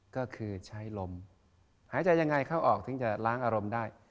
ก็คือใช้ลมหายใจยังไงเข้าออกถึงจะล้างอารมณ์ได้